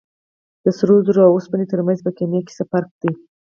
د سرو زرو او اوسپنې ترمنځ په کیمیا کې څه فرق دی